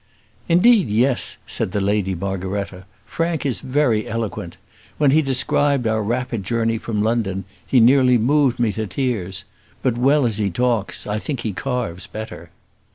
"Indeed, yes," said the Lady Margaretta. "Frank is very eloquent. When he described our rapid journey from London, he nearly moved me to tears. But well as he talks, I think he carves better."